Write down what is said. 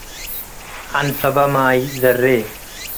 ዐንሰበ ማይ ዘሬ